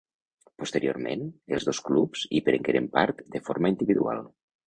Posteriorment, els dos clubs hi prengueren part de forma individual.